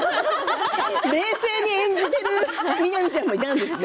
冷静に演じている美波ちゃんもいたんですね。